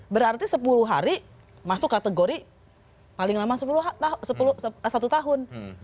berarti sepuluh hari masuk kategori paling lama satu tahun